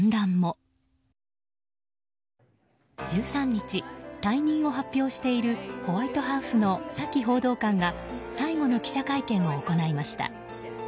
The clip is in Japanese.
１３日、退任を発表しているホワイトハウスのサキ報道官が最後の記者会見を行いました。